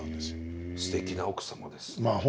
すてきな奥様ですね。